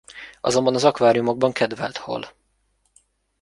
Azonban az akváriumokban kedvelt hal.